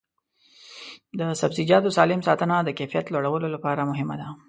د سبزیجاتو سالم ساتنه د کیفیت لوړولو لپاره مهمه ده.